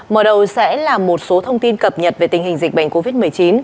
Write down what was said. mở đầu sẽ là một số thông tin cập nhật về tình hình dịch bệnh covid một mươi chín